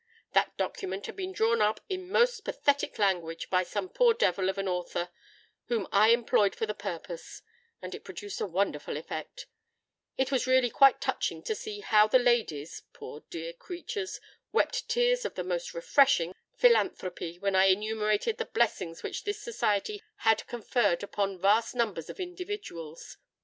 That document had been drawn up in most pathetic language by some poor devil of an author whom I employed for the purpose; and it produced a wonderful effect. It was really quite touching to see how the ladies—poor dear creatures!—wept tears of the most refreshing philanthropy, when I enumerated the blessings which this Society had conferred upon vast numbers of individuals.